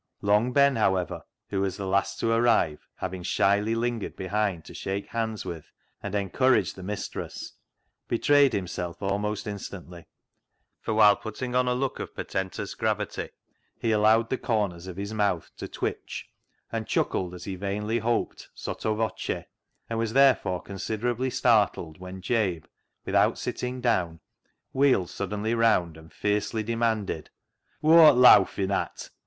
Long Ben, however, who was the last to arrive, having shyly lingered behind to shake hands with and encourage the mistress, betrayed himself almost instantly, for, whilst putting on a look of portentous gravity, he allowed the corners of his mouth to twitch, and chuckled as he vainly hoped sotto voce, and was therefore considerably startled when Jabe, without sitting down, wheeled suddenly round and fiercely demanded —•" Who'rt lowfin at